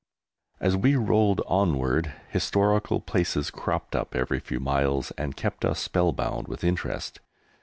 As we rolled onward historical places cropped up every few miles and kept us spellbound with interest.